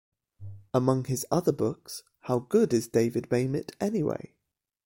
Among his other books, How Good Is David Mamet, Anyway?